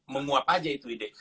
memuap aja itu ide